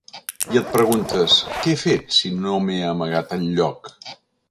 I et preguntes: ‘Què he fet si no m’he amagat enlloc?’